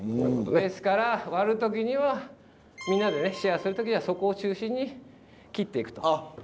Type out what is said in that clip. ですから割る時にはみんなでねシェアする時にはそこを中心に切っていくと。